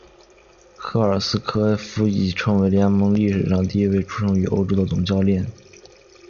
科克斯柯夫亦成为联盟历史上第一位出生于欧洲的总教练。